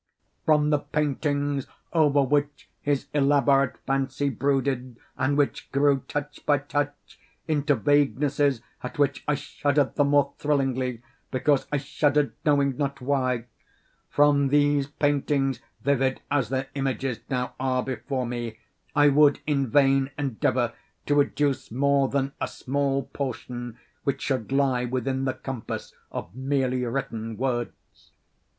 From the paintings over which his elaborate fancy brooded, and which grew, touch by touch, into vaguenesses at which I shuddered the more thrillingly, because I shuddered knowing not why—from these paintings (vivid as their images now are before me) I would in vain endeavor to educe more than a small portion which should lie within the compass of merely written words.